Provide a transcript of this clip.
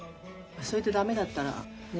それで駄目だったらね